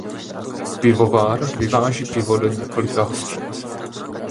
Pivovar vyváží pivo do několika hospod.